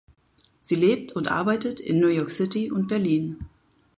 Sie lebt und arbeitet in New York City und Berlin.